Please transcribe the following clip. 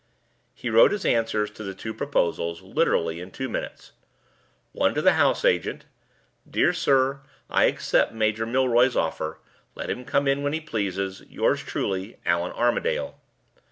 He wrote his answers to the two proposals, literally in two minutes. One to the house agent: "Dear sir, I accept Major Milroy's offer; let him come in when he pleases. Yours truly, Allan Armadale."